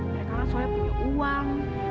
mereka kan soalnya punya uang